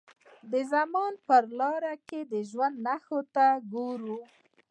د زمان پر لارو که د ژوند نښو ته وګورو.